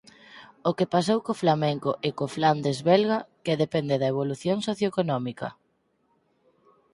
o que pasou co flamenco e co Flandes belga, que depende da evolución socioeconómica.